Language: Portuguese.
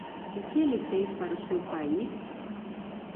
O que ele fez para o seu país?